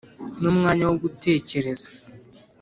ni umwanya wo gutekereza